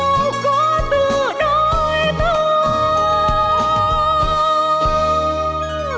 tình yêu có từ đôi ta